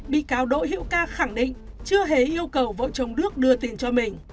bị cáo đội hiệu ca khẳng định chưa hề yêu cầu vợ chồng đức đưa tiền cho mình